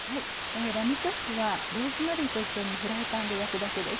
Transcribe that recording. ラムチョップはローズマリーと一緒にフライパンで焼くだけです。